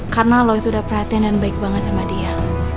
karena lo itu udah perhatian dan baik banget sama dia